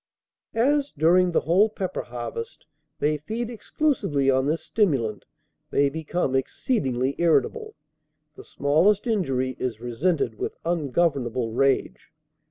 As, during the whole pepper harvest, they feed exclusively on this stimulant, they become exceedingly irritable. The smallest injury is resented with ungovernable rage.